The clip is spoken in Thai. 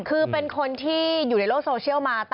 คือเป็นคนที่อยู่ในโลกโซเชียลมา